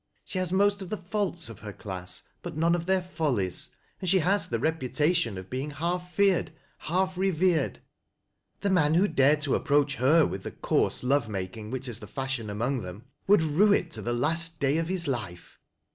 She has most of the faults of her class, but none of their follies ; and she has the reputation of being half feared, half revered. The man who dared to ap proach her with the coarse love making which is the fashion among them, would rue it to the last day of his life.